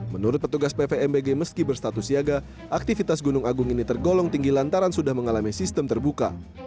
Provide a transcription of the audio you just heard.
menurut petugas pvmbg meski berstatus siaga aktivitas gunung agung ini tergolong tinggi lantaran sudah mengalami sistem terbuka